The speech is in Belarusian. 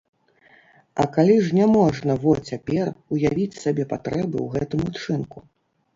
А калі ж няможна во цяпер уявіць сабе патрэбы ў гэтым учынку.